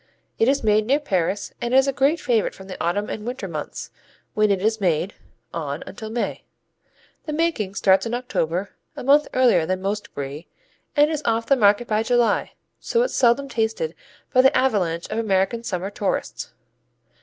It is made near Paris and is a great favorite from the autumn and winter months, when it is made, on until May. The making starts in October, a month earlier than most Brie, and it is off the market by July, so it's seldom tasted by the avalanche of American summer tourists.